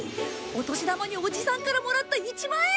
お年玉におじさんからもらった１万円札。